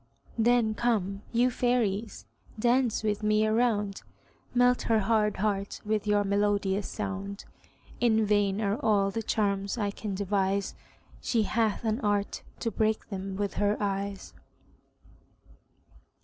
Then come, you fairies, dance with me a round; Melt her hard heart with your melodious sound. In vain are all the charms I can devise; She hath an art to break them with her eyes.